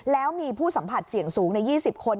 แล้วมีผู้สัมผัสเสี่ยงสูงใน๒๐คน